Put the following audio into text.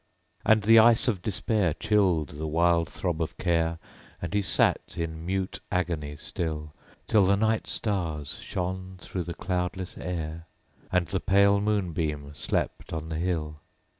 6. And the ice of despair Chilled the wild throb of care, And he sate in mute agony still; Till the night stars shone through the cloudless air, _35 And the pale moonbeam slept on the hill.